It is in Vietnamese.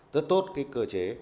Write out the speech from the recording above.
rất tốt cơ chế